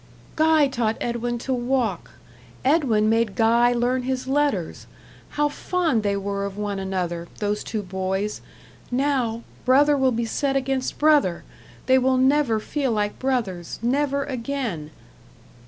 "Guy taught Edwin to walk. Edwin made Guy learn his letters. How fond they were of one another those two boys. Now brother will be set against brother! They will never feel like brothers never again."